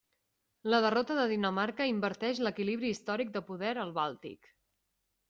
La derrota de Dinamarca inverteix l'equilibri històric de poder al Bàltic.